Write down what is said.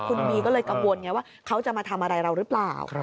คุณบีก็เลยกังวลไงว่าเขาจะมาทำอะไรเราหรือเปล่า